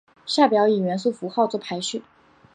下表以元素符号作排序。